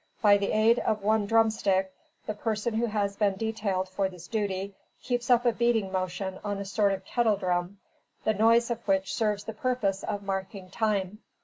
By the aid of one drum stick, the person who has been detailed for this duty, keeps up a beating motion on a sort of kettle drum, the noise of which serves the purpose of marking time.